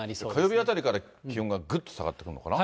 火曜日あたりから気温がぐっと下がってくるのかな。